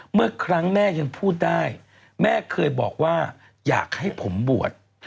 เมื่อครั้งแม่ยังพูดได้แม่เคยบอกว่าอยากให้ผมบวช